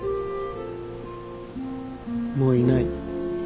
もういない。